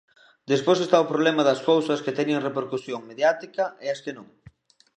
Despois está o problema das cousas que teñen repercusión mediática e as que non.